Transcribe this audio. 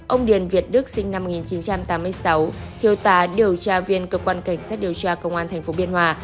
ông điền việt đức sinh năm một nghìn chín trăm tám mươi sáu thiêu tá điều tra viên cơ quan cảnh sát điều tra công an tp biên hòa